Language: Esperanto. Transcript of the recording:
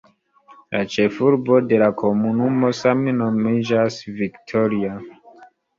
La ĉefurbo de la komunumo same nomiĝas "Victoria".